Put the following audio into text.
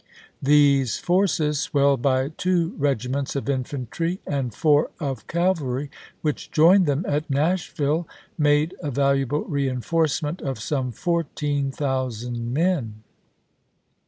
These forces, swelled by two regiments of infantry and four of cavalry, which joined them at Nashville, made a valuable reenforcement of some fourteen thousand men.